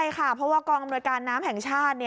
ใช่ค่ะเพราะว่ากองอำนวยการน้ำแห่งชาติ